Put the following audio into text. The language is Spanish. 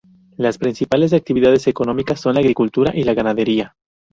Las principales actividades económicas son la agricultura y la ganadería.